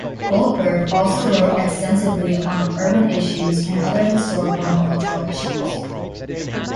Goldberg also wrote extensively on urban issues and other historical and cultural issues.